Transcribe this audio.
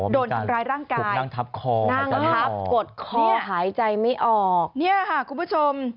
โดนทำร้ายร่างกายนั่งทับคอนั่งทับกดคอหายใจไม่ออกเนี่ยค่ะคุณผู้ชม